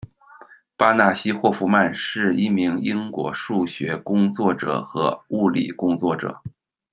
巴纳希·霍夫曼是一名英国数学工作者和物理工作者。